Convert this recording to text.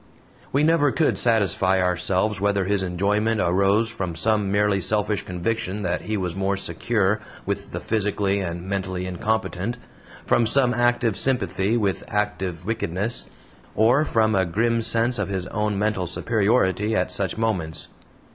We never could satisfy ourselves whether his enjoyment arose from some merely selfish conviction that he was more SECURE with the physically and mentally incompetent, from some active sympathy with active wickedness, or from a grim sense of his own mental superiority at such moments.